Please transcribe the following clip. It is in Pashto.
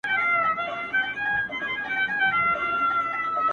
د نېستۍ قصور یې دی دغه سړی چي,